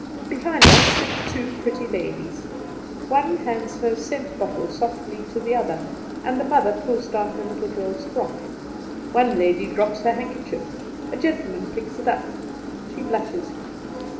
Behind us sit two pretty ladies; one hands her scent bottle softly to the other, and a mother pulls down her little girl's frock. One lady drops her handkerchief; a gentleman picks it up; she blushes.